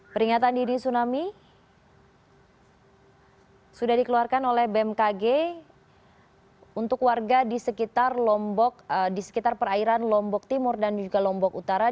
peringatan dini tsunami sudah dikeluarkan oleh bmkg untuk warga di sekitar lombok di sekitar perairan lombok timur dan juga lombok utara